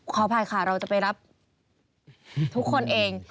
ขออภัยค่ะเราจะไปรับทุกคนเอง